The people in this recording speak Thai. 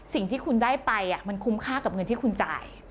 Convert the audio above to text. สิ่งที่คุณได้ไปมันคุ้มค่ากับเงินที่คุณจ่าย